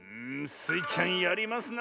スイちゃんやりますな。